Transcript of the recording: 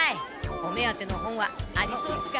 お目当ての本はありそうですか？